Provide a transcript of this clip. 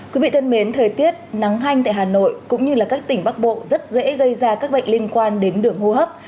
quý vị thân mến thời tiết nắng hanh tại hà nội cũng như các tỉnh bắc bộ rất dễ gây ra các bệnh liên quan đến đường hô hấp